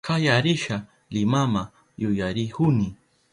Kaya risha Limama yuyarihuni